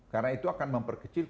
karena itu akan memperkecil